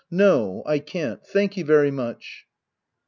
] No, I can't — thank you very much.